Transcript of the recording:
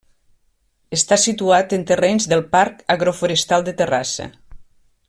Està situat en terrenys del Parc Agroforestal de Terrassa.